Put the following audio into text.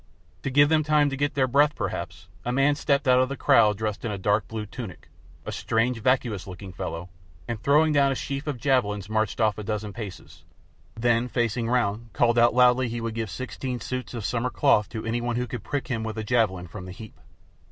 To give them time to get their breath, perhaps, a man stepped out of the crowd dressed in a dark blue tunic, a strange vacuous looking fellow, and throwing down a sheaf of javelins marched off a dozen paces, then, facing round, called out loudly he would give sixteen suits of "summer cloth" to any one who could prick him with a javelin from the heap.